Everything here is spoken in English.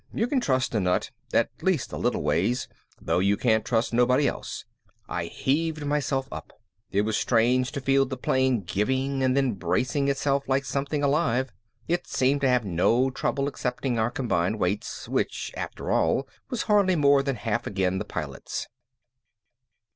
You can trust a nut, at least a little ways, though you can't trust nobody else._ I heaved myself up. It was strange to feel the plane giving and then bracing itself like something alive. It seemed to have no trouble accepting our combined weight, which after all was hardly more than half again the Pilot's.